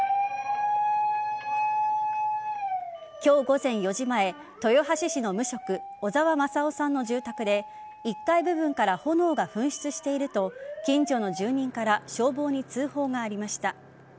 今日午前４時前豊橋市の無職小澤正生さんの住宅で１階部分から炎が噴出していると近所の住人から消防に通報がありました。